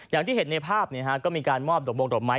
อย่างที่เห็นในภาพก็มีการมอบดอกบงดอกไม้